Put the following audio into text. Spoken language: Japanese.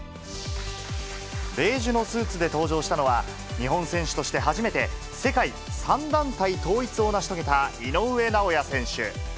ベージュのスーツで登場したのは、日本選手として初めて、世界３団体統一を成し遂げた井上尚弥選手。